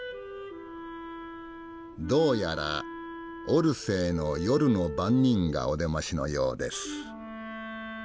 どうやらオルセーの夜の番人がお出ましのようです。